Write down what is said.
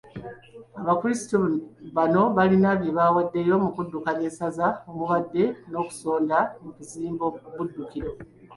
Abakulisitu bano balina bye bawaddeyo mu kuddukanya essaza omubadde n'okusonda mu kuzimba Buddukiro.